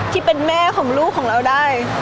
พี่ตอบได้แค่นี้จริงค่ะ